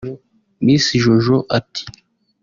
Miss Jojo ati